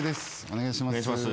お願いします。